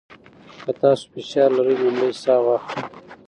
که تاسو فشار لرئ، لومړی ساه واخلئ.